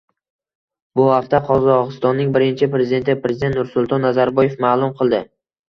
Bu haqda Qozog'istonning Birinchi Prezidenti - Prezident Nursulton Nazarboyev ma'lum qildi